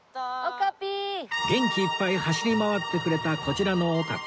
元気いっぱい走り回ってくれたこちらのオカピ